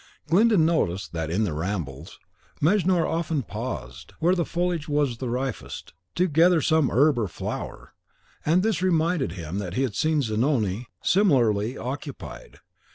Glyndon noticed that, in their rambles, Mejnour often paused, where the foliage was rifest, to gather some herb or flower; and this reminded him that he had seen Zanoni similarly occupied.